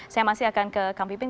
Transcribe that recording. saya masih akan ke kang pipin